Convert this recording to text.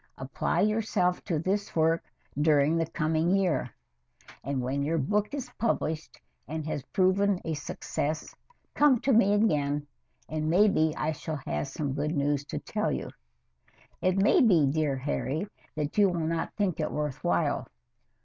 Apply yourself to this work during the coming year, and when your book is published and has proven a success, come to me again, and maybe I shall have some good news to tell you. It may be, dear Harry, that you will not think it worth while.